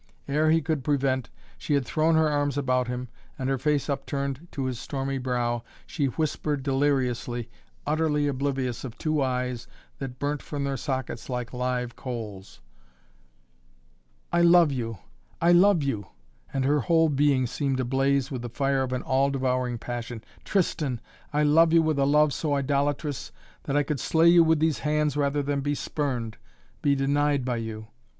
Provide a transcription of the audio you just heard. Ere he could prevent, she had thrown her arms about him and her face upturned to his stormy brow she whispered deliriously, utterly oblivious of two eyes that burnt from their sockets like live coals: "I love you! I love you!" and her whole being seemed ablaze with the fire of an all devouring passion. "Tristan, I love you with a love so idolatrous, that I could slay you with these hands rather than be spurned, be denied by you.